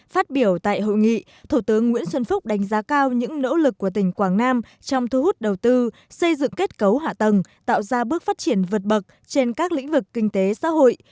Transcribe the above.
phát biểu tại hội nghị thủ tướng nguyễn xuân phúc đánh giá cao những nỗ lực của tỉnh quảng nam trong thu hút đầu tư xây dựng kết cấu hạ tầng tạo ra bước phát triển vượt bậc trên các lĩnh vực kinh tế xã hội